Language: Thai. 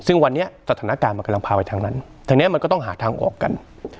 ซึ่งวันนี้สถานการณ์มันกำลังพาไปทางนั้นทีนี้มันก็ต้องหาทางออกกัน